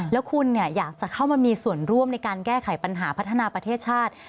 แล้วคุณอยากจะเข้ามามีส่วนร่วมในการแก้ไขปัญหาพัฒนาประเทศชาติ